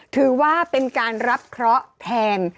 ถือว่าเป็นการรับเคราะห์แทน